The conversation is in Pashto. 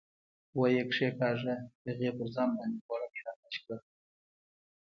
ویې کېکاږه، هغې پر ځان باندې پوړنی را کش کړ.